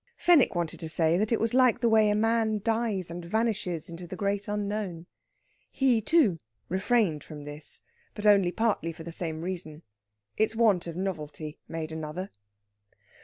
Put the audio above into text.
Fenwick wanted to say that it was like the way a man dies and vanishes into the great unknown. He, too, refrained from this, but only partly for the same reason. Its want of novelty made another.